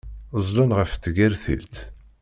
Ẓẓlen ɣef tgertilt.